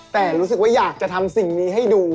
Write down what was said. แต่รู้สึกว่าอยากจะทำสิ่งนี้ให้ดู